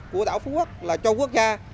của đảo phú quốc là cho quốc gia